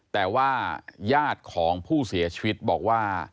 แต่ว่าญาติของผู้เสียชีวิตบอกว่า